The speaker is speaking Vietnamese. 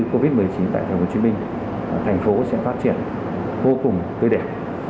covid một mươi chín tại thành phố hồ chí minh thành phố sẽ phát triển vô cùng tươi đẹp